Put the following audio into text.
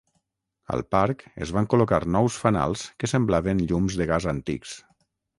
Al parc es van col·locar nous fanals que semblaven llums de gas antics.